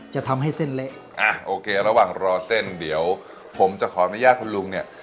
จะทำให้เส้นเละอ่ะโอเคระหว่างรอเส้นเดี๋ยวผมจะขออนุญาตคุณลุงเนี่ย